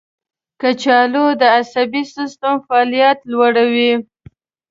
کچالو د عصبي سیستم فعالیت لوړوي.